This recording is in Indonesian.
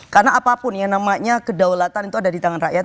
karena apapun yang namanya kedaulatan itu ada di tangan rakyat